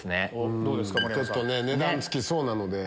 ちょっと値段付きそうなので。